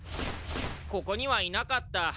ここにはいなかった。